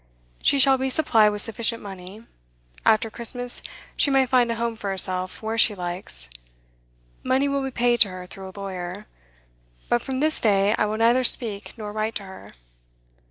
She shall be supplied with sufficient money. After Christmas she may find a home for herself where she likes; money will be paid to her through a lawyer, but from this day I will neither speak nor write to her.